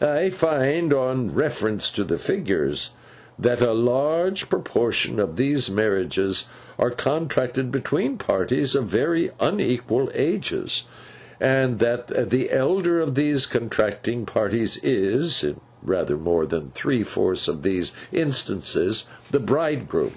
I find, on reference to the figures, that a large proportion of these marriages are contracted between parties of very unequal ages, and that the elder of these contracting parties is, in rather more than three fourths of these instances, the bridegroom.